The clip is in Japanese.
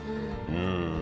うん。